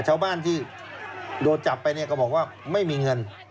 ชาวบ้านที่โดนจับไปเนี่ยก็บอกว่าไม่มีเงิน